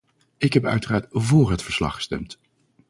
Ik heb uiteraard vóór het verslag gestemd.